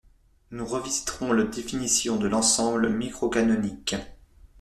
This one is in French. nous revisiterons la définition de l'ensemble microcanonique